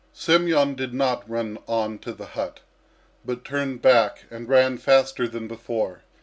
Semyon did not run on to the hut, but turned back and ran faster than before.